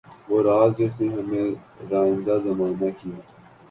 وہ راز جس نے ہمیں راندۂ زمانہ کیا